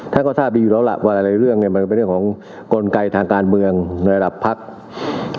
ท่านก็ทราบดีอยู่แล้วล่ะว่าหลายเรื่องเนี่ยมันเป็นเรื่องของกลไกทางการเมืองในระดับภักดิ์